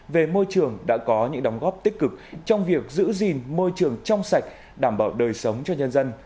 về môi trường đã có những đóng góp tích cực trong việc giữ gìn môi trường trong sạch đảm bảo đời sống cho nhân dân